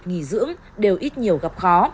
nghỉ dưỡng đều ít nhiều gặp khó